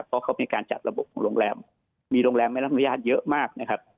เพราะเขาในการจัดระบบหลงแรมมีหลงแรมไม่รับอนุญาตเยอะมาก